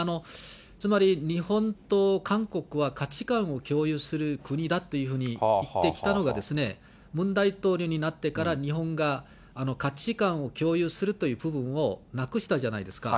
つまり、日本と韓国は価値観を共有する国だというふうにいってきたのが、ムン大統領になってから、日本が価値観を共有するという部分をなくしたじゃないですか。